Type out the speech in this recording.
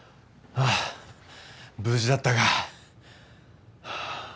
ああ無事だったか。